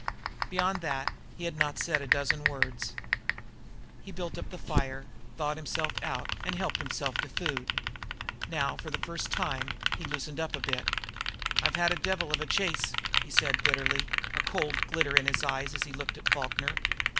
Beyond that he had not said a dozen words. He had built up the fire, thawed himself out, and helped himself to food. Now, for the first time, he loosened up a bit. "I've had a devil of a chase," he said bitterly, a cold glitter in his eyes as he looked at Falkner.